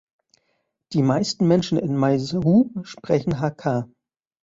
Die meisten Menschen in Meizhou sprechen Hakka.